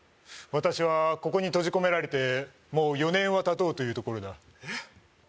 私はここに閉じ込められてもう４年はたとうというところだえっ？